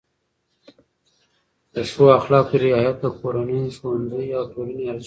د ښو اخلاقو رعایت د کورنۍ، ښوونځي او ټولنې ارزښت زیاتوي.